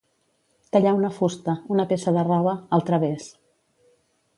Tallar una fusta, una peça de roba, al través.